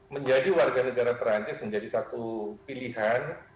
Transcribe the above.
menjadi warga negara perancis menjadi satu pilihan